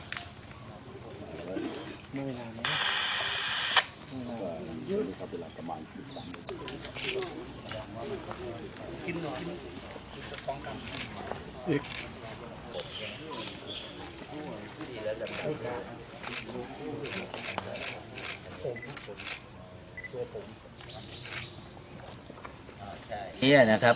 สวัสดีครับ